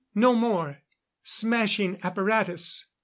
No more! Smashing apparatus!'